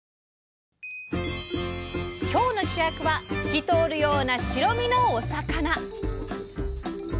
今日の主役は透き通るような白身のお魚！